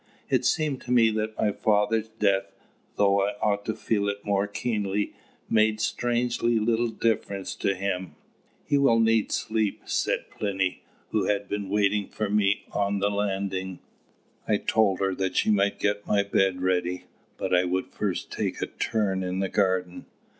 It seemed to me that my father's death, though I ought to feel it more keenly, made strangely little difference to him. "You will need sleep," said Plinny, who had been waiting for me on the landing. I told her that she might get my bed ready, but I would first take a turn in the garden.